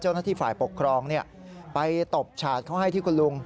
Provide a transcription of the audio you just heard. เจ้าหน้าที่ฝ่ายปกครองไปตบฉาดเขาให้ที่คุณลุง